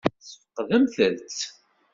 Tesfeqdemt-tt?